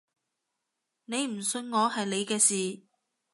你唔信我係你嘅事